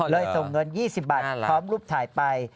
ส่งเงิน๒๐บาทพร้อมรูปถ่ายไป